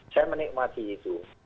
saya menikmati itu